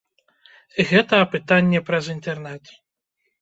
Гэта апытанне праз інтэрнэт.